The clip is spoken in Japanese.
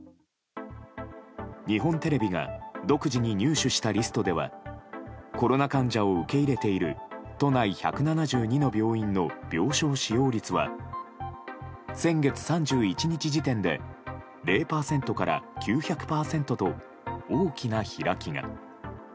日本テレビが独自に入手したリストではコロナ患者を受け入れている都内１７２の病院の病床使用率は先月３１日時点で０％から９００％と大きな開きが。